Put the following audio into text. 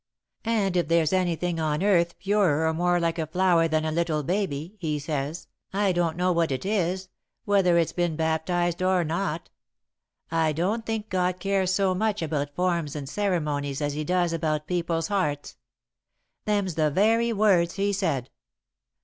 And if there's anything on earth purer or more like a flower than a little baby,' he says, 'I don't know what it is, whether it's been baptised or not. I don't think God cares so much about forms and ceremonies as he does about people's hearts,' Them's the very words he said.